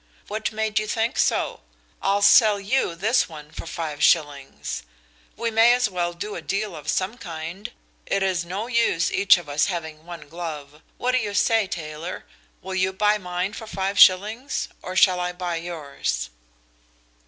"What made you think so? I'll sell you this one for five shillings. We may as well do a deal of some kind; it is no use each of us having one glove. What do you say, Taylor? Will you buy mine for five shillings, or shall I buy yours?"